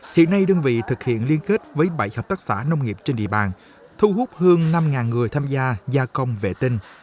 hiện nay đơn vị thực hiện liên kết với bảy hợp tác xã nông nghiệp trên địa bàn thu hút hơn năm người tham gia gia công vệ tinh